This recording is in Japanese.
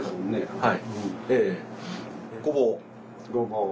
はい。